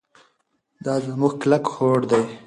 دا زموږ کلک هوډ دی.